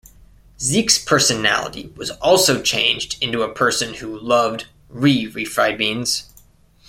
Zeke's personality was also changed into a person who loved 're-refried beans'.